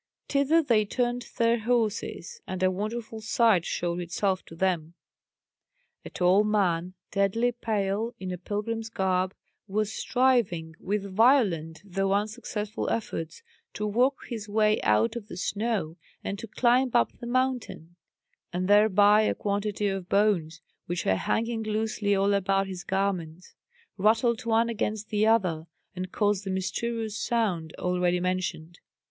Thither they turned their horses, and a wonderful sight showed itself to them. A tall man, deadly pale, in a pilgrim's garb, was striving with violent though unsuccessful efforts, to work his way out of the snow and to climb up the mountain; and thereby a quantity of bones, which were hanging loosely all about his garments, rattled one against the other, and caused the mysterious sound already mentioned.